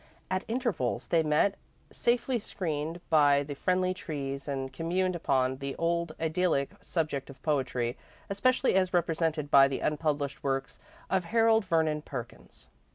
At intervals, they met, safely screened by the friendly trees, and communed upon the old, idyllic subject of poetry, especially as represented by the unpublished works of Harold Vernon Perkins.